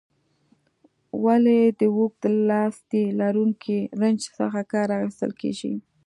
ولې د اوږد لاستي لرونکي رنچ څخه کار اخیستل کیږي؟